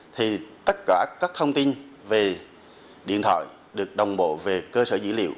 thì tất cả các thông tin về điện thoại được đồng bộ về cơ sở dữ liệu